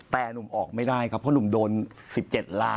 แต่หนุ่มออกไม่ได้ครับเพราะหนุ่มโดน๑๗ล้าน